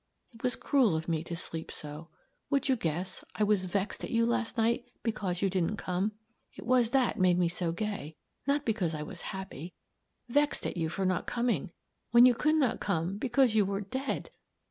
It was cruel of me to sleep so. Would you guess, I was vexed at you last evening because you didn't come? It was that made me so gay not because I was happy. Vexed at you for not coming, when you could not come because you were dead!"